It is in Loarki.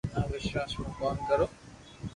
نہ وݾواݾ مون ڪوم ڪرو